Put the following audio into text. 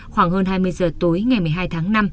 khoảng hơn hai mươi giờ tối ngày một mươi hai tháng năm